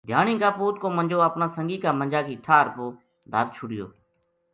دھیانی کا پوت کو منجو اپنا سنگی کا منجا کی ٹھار پو دھر چھوڈیو